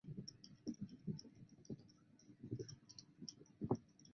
双光子物理是粒子物理学中描述两个光子间相互作用的一个分支。